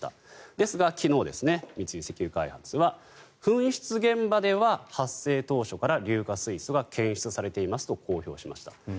ですが、昨日、三井石油開発は噴出現場では発生当初から硫化水素が検出されていますと公表しました。